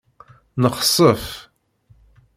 Nexsef.